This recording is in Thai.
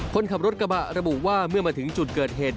คนขับรถกระบะระบุว่าเมื่อมาถึงจุดเกิดเหตุ